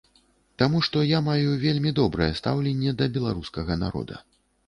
Таму, што я маю вельмі добрае стаўленне да беларускага народа.